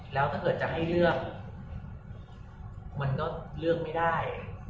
แล้วถ้าเกิดจะให้เลือกมันก็เลือกไม่ได้